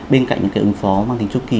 bên cạnh những ứng phó mang tính tru kỳ